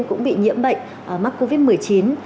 cũng bị nhiễm bệnh mắc covid một mươi chín